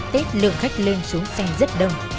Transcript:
giáp tết lượng khách lên xuống xe rất đông